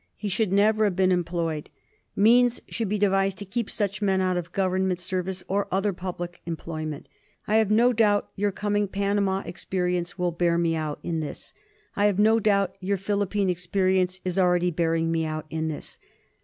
He should never have been em ployed. Means should be devised to keep such men out of Government service or other public employment. I have no doubt your coming Panama experience will 230 PROBLEMS IN TROPICAL MEDICINE. bear me out in this ; I have no doubt your Philippine experience is already bearing me out in this.